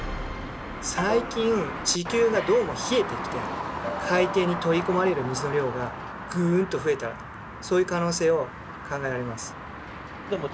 最近地球がどうも冷えてきて海底に取りこまれる水の量がぐんと増えたそういう可能性を考えられます。